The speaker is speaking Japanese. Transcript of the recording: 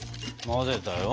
混ぜたよ。